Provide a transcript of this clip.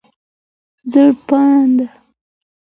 ځپاند